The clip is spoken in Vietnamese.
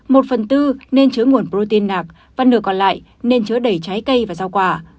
một phần tư nên chứa nguồn protein nạc và nửa còn lại nên chứa đầy trái cây và rau quả